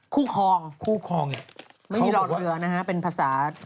คู่คองเขาบอกว่าไม่มีรอดเหลือนะฮะเป็นภาษาภาคมิติ